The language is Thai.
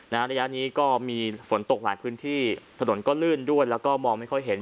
ระยะนี้ก็มีฝนตกหลายพื้นที่ถนนก็ลื่นด้วยแล้วก็มองไม่ค่อยเห็น